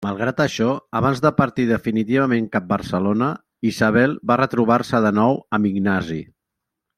Malgrat això, abans de partir definitivament cap Barcelona, Isabel va retrobar-se de nou amb Ignasi.